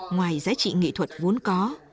ngoài giá trị nghệ thuật vốn có